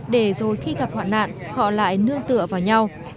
để rồi khi gặp hoạn nạn họ lại nương tựa vào nhau